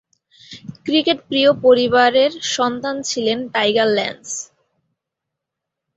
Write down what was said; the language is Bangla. ক্রিকেটপ্রিয় পরিবারের সন্তান ছিলেন টাইগার ল্যান্স।